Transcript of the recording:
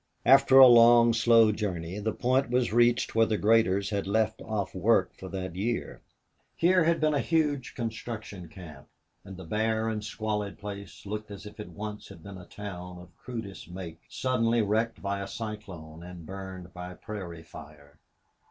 After a long, slow journey the point was reached where the graders had left off work for that year. Here had been a huge construction camp; and the bare and squalid place looked as if it once had been a town of crudest make, suddenly wrecked by a cyclone and burned by prairie fire.